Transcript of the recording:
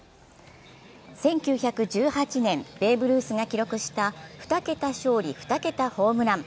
１９１８年、ベーブ・ルースが記録した２桁勝利・２桁ホームラン。